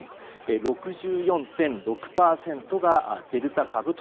６４．６％がデルタ株と。